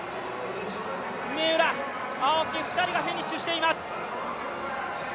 三浦、青木、２人がフィニッシュしています。